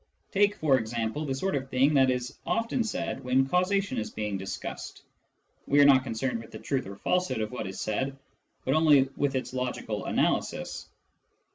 Take, for example, the sort of thing that is often said when causation is being discussed. (We are not concerned with the truth or falsehood of what is said, but only with its logical analysis.)